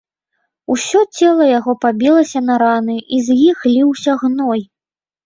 Усё цела яго пабілася на раны, і з іх ліўся гной.